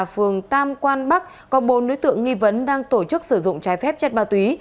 phường tam quan bắc có bốn đối tượng nghi vấn đang tổ chức sử dụng trái phép chất ma túy